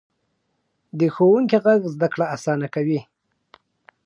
د ښوونکي غږ زده کړه اسانه کوي.